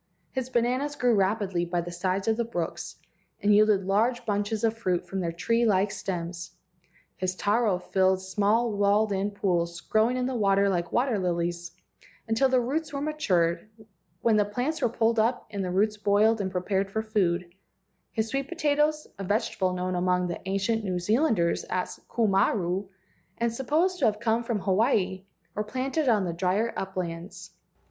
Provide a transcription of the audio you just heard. His bananas grew rapidly by the sides of the brooks, and yielded large bunches of fruit from their tree like stems; his taro filled small walled in pools, growing in the water like water lilies, until the roots were matured, when the plants were pulled up and the roots boiled and prepared for food; his sweet potatoes—a vege¬ table known among the ancient New Zealanders as ku maru, and supposed to have come from Hawaii—were planted on the drier uplands.